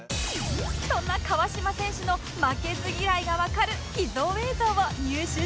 そんな川島選手の負けず嫌いがわかる秘蔵映像を入手しました